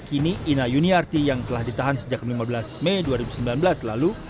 kini ina yuniarti yang telah ditahan sejak lima belas mei dua ribu sembilan belas lalu